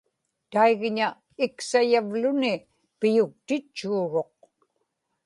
taigña iksayavluni piyuktitchuuruq